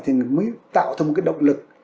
thì mới tạo ra một cái động lực